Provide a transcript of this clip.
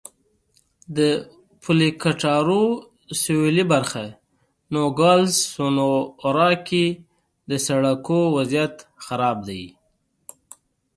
د پولې کټارو سوېلي برخه نوګالس سونورا کې د سړکونو وضعیت خراب دی.